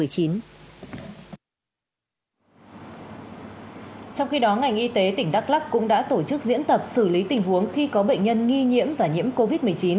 trong khi đó ngành y tế tỉnh đắk lắc cũng đã tổ chức diễn tập xử lý tình huống khi có bệnh nhân nghi nhiễm và nhiễm covid một mươi chín